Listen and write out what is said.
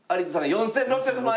４６００万。